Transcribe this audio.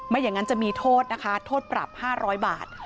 อย่างนั้นจะมีโทษนะคะโทษปรับ๕๐๐บาท